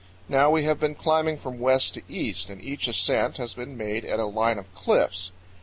Now we have been climbing from west to east, and each ascent has been made at a line of cliffs.